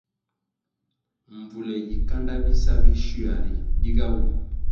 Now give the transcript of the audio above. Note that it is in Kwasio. Mbvule yi kanda bisa bi shywia ritu diga wu.